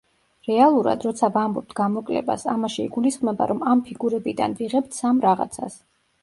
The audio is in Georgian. რეალურად, როცა ვამბობთ გამოკლებას ამაში იგულისხმება, რომ ამ ფიგურებიდან ვიღებთ სამ რაღაცას.